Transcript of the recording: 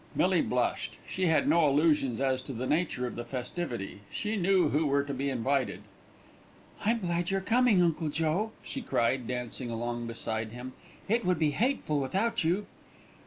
Millie blushed. She had no illusions as to the nature of the festivity: she knew who were to be invited. "I'm glad you're coming, Uncle Joe," she cried, dancing along beside him. "It would be hateful without you."